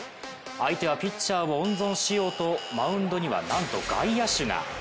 相手はピッチャーを温存しようとマウンドにはなんと外野手が。